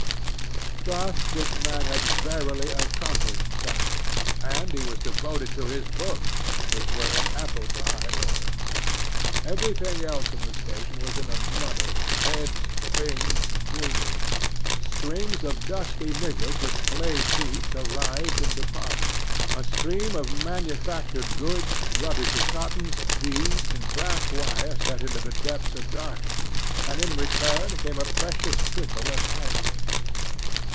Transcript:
This man had verily accomplished something. And he was devoted to his books, which were in apple pie order. "Everything else in the station was in a muddle, heads, things, buildings. Strings of dusty niggers with splay feet arrived and departed; a stream of manufactured goods, rubbishy cottons, beads, and brass wire sent into the depths of darkness, and in return came a precious trickle of ivory.